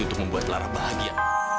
untuk membuat lara bahagia